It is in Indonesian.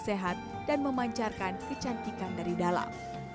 sehat dan memancarkan kecantikan dari dalam